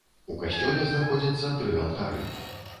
У касцёле знаходзяцца тры алтары.